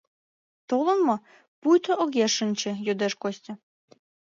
Толын мо? — пуйто огеш шинче, йодеш Костя.